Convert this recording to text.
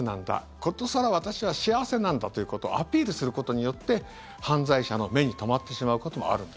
殊更、私は幸せなんだということをアピールすることによって犯罪者の目に留まってしまうこともあるんです。